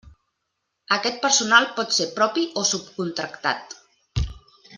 Aquest personal pot ser propi o subcontractat.